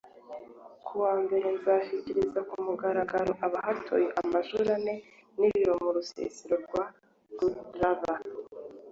kuwa mbere zashyikirije ku mugaragaro abahatuye amashuri ane n’ibiro mu rusisiro rwa Turba